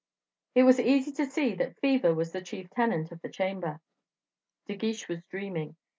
It was easy to see that fever was the chief tenant of the chamber. De Guiche was dreaming.